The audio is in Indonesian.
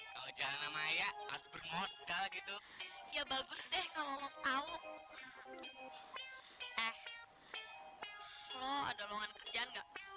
kalau jangan nama ya harus bermodal gitu ya bagus deh kalau mau tahu eh lo ada ruangan kerja nggak